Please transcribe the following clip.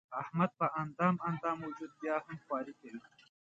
احمد په اندام اندام وجود بیا هم خواري کوي.